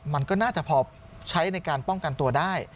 มันก็น่าจะพอใช้ในการป้องกันตัวได้